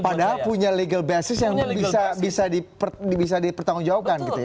padahal punya legal basis yang bisa dipertanggungjawabkan gitu ya